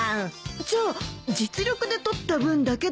じゃあ実力で取った分だけだと。